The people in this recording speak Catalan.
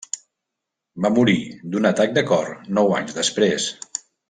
Va morir d'un atac de cor nou anys després.